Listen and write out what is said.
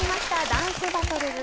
『ダンスバトルズ』です。